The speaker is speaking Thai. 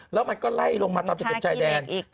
แล้วมันก็ไล่ลงมาตามตะเข็บชายแดน